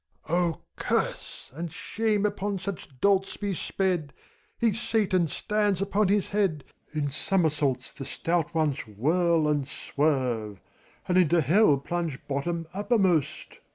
MEPHISTOPHELES. curse and shame upon such dolts be sped ! Each Satan stands upon his head! In somersaults the stout ones whirl and swerve. And into Hell plunge bottom uppermost.